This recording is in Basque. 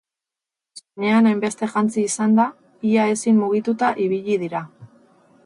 Soinean hainbeste jantzi izanda, ia ezin mugituta ibili dira.